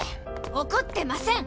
おこってません！